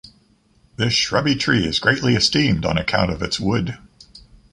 This shrubby tree is greatly esteemed on account of its wood.